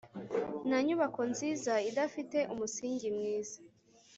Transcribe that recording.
nta nyubako nziza idafite umusingi mwiza